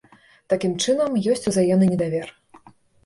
Такім чынам, ёсць узаемны недавер.